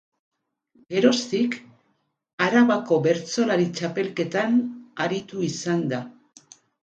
Geroztik, Arabako Bertsolari Txapelketan aritu izan da.